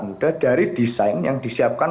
muda dari desain yang disiapkan